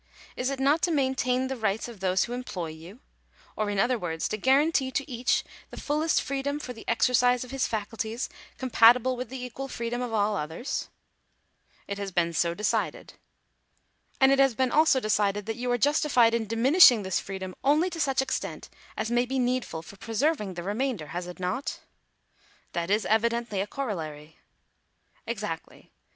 Is it not to maintain the rights of those who employ you; or, in other words, to guarantee to each the fullest freedom for the exercise of his faculties compatible with the equal freedom of all others ?"" It has been so decided." "And it has been also decided that you are justified in diminishing this freedom only to such extent as may be needful for preserving the remainder, has it not ?"" That is evidently a corollary." " Exactly.